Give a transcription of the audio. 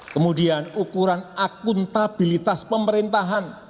kemudian ukuran akuntabilitas pemerintahan